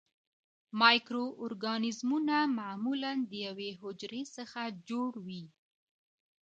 مایکرو ارګانیزمونه معمولاً د یوې حجرې څخه جوړ وي.